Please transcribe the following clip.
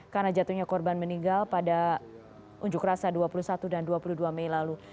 karena jatuhnya korban meninggal pada unjuk rasa dua puluh satu dan dua puluh dua mei lalu